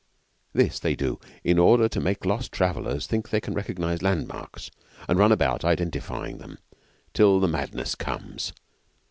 This they do in order to make lost travellers think they can recognise landmarks and run about identifying them till the madness comes.